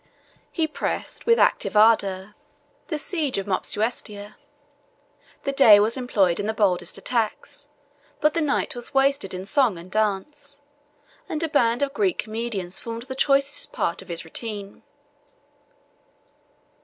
He pressed, with active ardor, the siege of Mopsuestia: the day was employed in the boldest attacks; but the night was wasted in song and dance; and a band of Greek comedians formed the choicest part of his retinue.